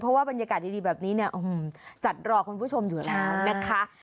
เพราะว่าบรรยากาศดีแบบนี้เนี่ยจัดรอคุณผู้ชมอยู่แล้วนะคะ